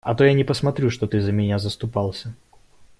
А то я не посмотрю, что ты за меня заступался.